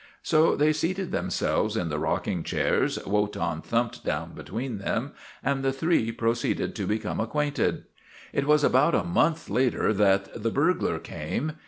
So they seated themselves in the rocking chairs, Wotan thumped down between them, and the three proceeded to become acquainted. It was about a month later that the burglar came.